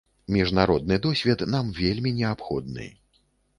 Міжнародны досвед нам вельмі неабходны.